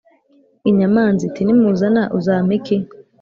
inyamanza iti ‘nimuzana uzampa iki?’